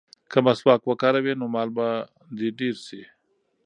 که مسواک وکاروې نو مال به دې ډېر شي.